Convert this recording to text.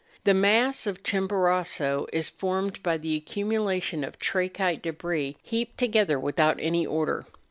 The mass of Chimborazo is formed by the accumulation of trachytic debris, heaped together without any order.